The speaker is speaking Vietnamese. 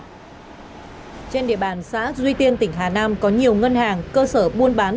trên địa bàn xã duy tiên tỉnh hà nam có nhiều ngân hàng cơ sở buôn bán